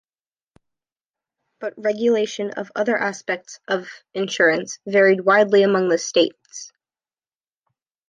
But regulation of other aspects of iinsurance varied widely among the states.